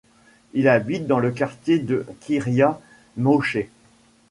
Il habite dans le quartier de Kiryat Moché.